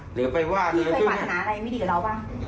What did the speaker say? พี่เคยปรากฏอะไรไม่ดีกับเราป่ะ